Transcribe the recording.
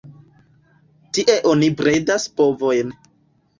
Tie oni bredas bovojn.